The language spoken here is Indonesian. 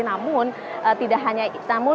namun tidak hanya itu